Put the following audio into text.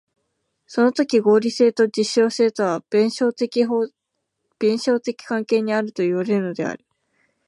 そのとき合理性と実証性とは弁証法的関係にあるといわれるのである。